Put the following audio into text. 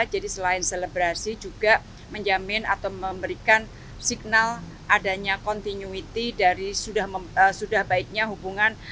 jadi selain selebrasi juga menjamin atau memberikan signal adanya continuity dari sudah baiknya hubungan